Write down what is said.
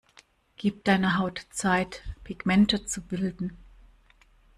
Gib deiner Haut Zeit, Pigmente zu bilden.